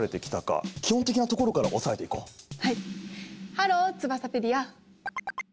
ハローツバサペディア！